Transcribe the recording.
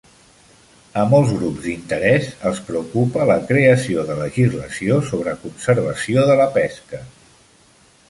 A molts grups d'interès els preocupa la creació de legislació sobre conservació de la pesca.